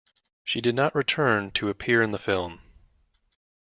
She did not return to appear in the film.